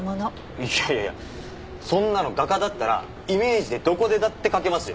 いやいやそんなの画家だったらイメージでどこでだって描けますよ？